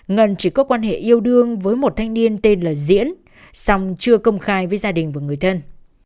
ngân chỉ có quan hệ yêu đương với một thanh niên tên là diễn song chưa công khai với gia đình và người thân